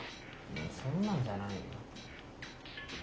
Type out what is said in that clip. そんなんじゃないよ。